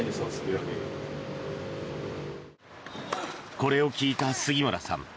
これを聞いた杉村さん